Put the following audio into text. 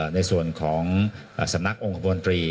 ในส่วนของสำนักองคบนตรี